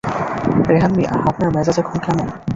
রেহান মিয়া, আপনার মেজাজ এখন কেমন?